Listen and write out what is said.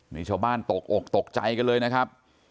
นี่ชาวบ้านตกอกตกใจกันเลยนะครับ